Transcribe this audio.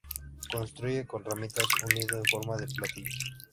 Construye con ramitas un nido en forma de platillo.